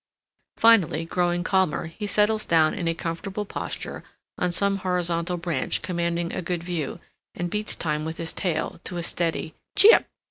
Finally, growing calmer, he settles down in a comfortable posture on some horizontal branch commanding a good view, and beats time with his tail to a steady "Chee up!